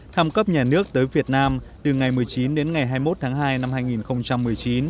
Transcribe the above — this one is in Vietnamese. thăm cấp nhà nước tới việt nam từ ngày một mươi chín đến ngày hai mươi một tháng hai năm hai nghìn một mươi chín